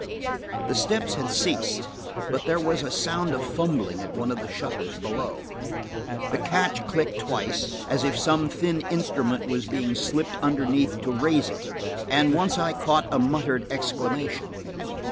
The steps had ceased, but there was a sound of fumbling at one of the shutters below. The catch clicked twice, as if some thin instrument was being slipped underneath to raise it, and once I caught a muttered exclamation.